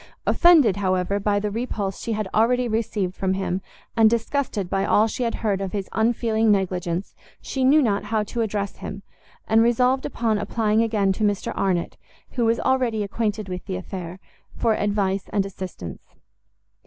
Offended, however, by the repulse she had already received from him, and disgusted by all she had heard of his unfeeling negligence, she knew not how to address him, and resolved upon applying again to Mr Arnott, who was already acquainted with the affair, for advice and assistance.